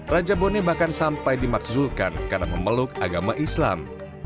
raja boneh bahkan sampai dimaksudkan karena memeluk agama islam